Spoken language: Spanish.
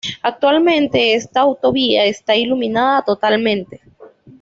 Actualmente esta autovía está iluminada totalmente.